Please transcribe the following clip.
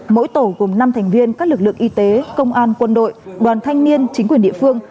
mỗi tổ gồm năm thành viên các lực lượng y tế công an quân đội đoàn thanh niên chính quyền địa phương